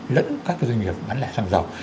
lẫn các doanh nghiệp bán lẻ xăng dầu